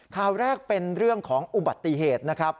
ข่าวแรกเป็นเรื่องของอุบัติเหตุนะครับ